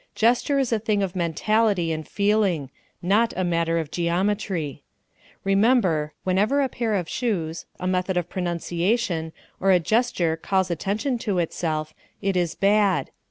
Gesture is a thing of mentality and feeling not a matter of geometry. Remember, whenever a pair of shoes, a method of pronunciation, or a gesture calls attention to itself, it is bad.